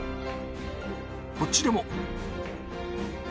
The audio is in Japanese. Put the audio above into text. こっちでも。